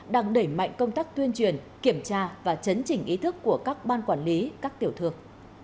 đang đẩy mạnh công tác tuyên truyền kiểm tra và chấn chỉnh ý thức của các ban quản lý các tiểu thương